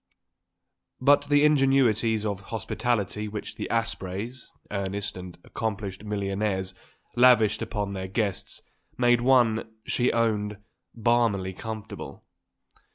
But the ingenuities of hospitality which the Aspreys earnest and accomplished millionaires lavished upon their guests made one, she owned, balmily comfortable.